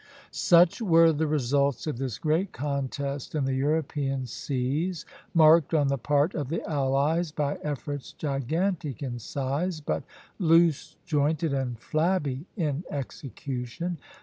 Such were the results of this great contest in the European seas, marked on the part of the allies by efforts gigantic in size, but loose jointed and flabby in execution.